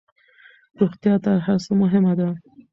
روغتيا تر هرڅه مهمه ده